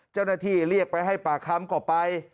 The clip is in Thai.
เจ้าหน้าที่เรียกไปให้ปากค้ำก่อไป